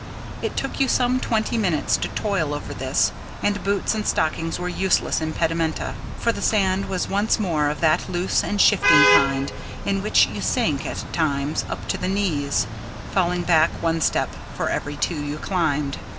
It took you some twenty minutes to toil over this, and boots and stockings were useless impedimenta; for the sand was once more of that loose and shifting kind in which you sank at times up to the knees, falling back one step for every two you climbed.